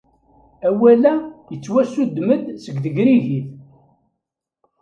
Awal-a yettwassuddem-d seg tegrigit.